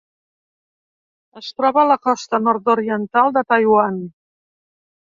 Es troba a la costa nord-oriental de Taiwan.